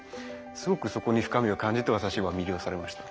すごくそこに深みを感じて私は魅了されました。